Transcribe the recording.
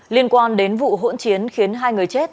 liên quan đến vụ hỗn chiến khiến hai người chết